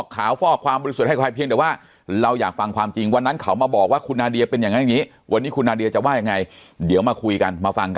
่อขาวฟ่อความโลิสวนให้กายเพียงเดี๋ยวว่าเราอยากฟัง